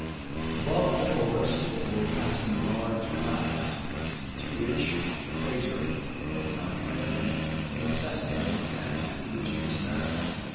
Above the forest were passing large clouds, to which the crater of Mount Franklin incessantly added fuliginous matter.